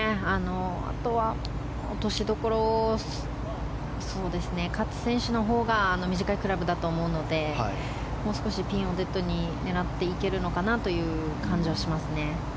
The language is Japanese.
落としどころを勝選手のほうが短いクラブだと思うのでもう少しピンをデッドに狙っていけるのかなという感じはしますね。